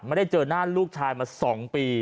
ไม่ได้เจอหน้าลูกชายมา๒ปี